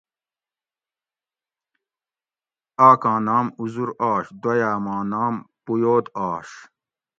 آکاں نام اُزر آش دویاۤماں نام پویود آش